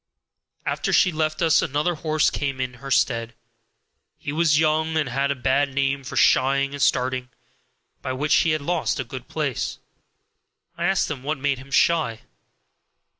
After she left us another horse came in her stead. He was young, and had a bad name for shying and starting, by which he had lost a good place. I asked him what made him shy.